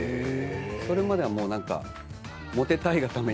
それまではもてたいがために。